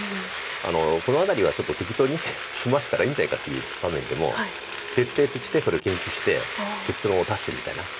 この辺りはちょっと適当に済ましたらいいんじゃないかっていう場面でも徹底してそれを研究して結論を出すみたいな。